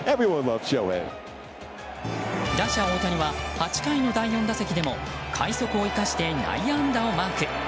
打者・大谷は８回の第４打席でも快足を生かして内野安打をマーク。